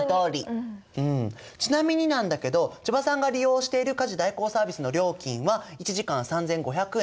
ちなみになんだけど千葉さんが利用している家事代行サービスの料金は１時間３，５００円です。